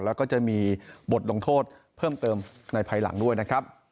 แล้วก็จะมีบทลงโทษเพิ่มเติมในภายหลังด้วยนะครับ